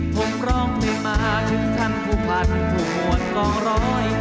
ผมร่องไปมาถึงท่านผู้ผลัดผู้หวนกองร้อย